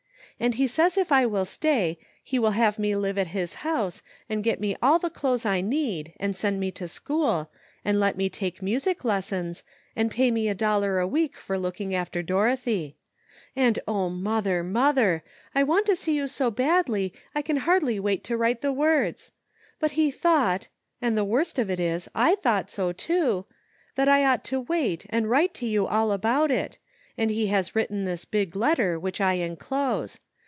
And he says if I will stay, he will have mc live at his house, and get me all the clothes I need, and send me to school, and let me take music lessons, and pay me a dollar a week for looking after Dorothy. And 0, mother, mother! I want to see you so badly I can hardly wait to write the words; but he thought — and the worst of it is I thought 60 too — that I ought to wait and Avrite to you all about it, and he has written this big letter which I enclose.